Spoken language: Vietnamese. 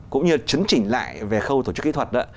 cũng như chấn chỉnh lại về khâu tổ chức kỹ thuật đó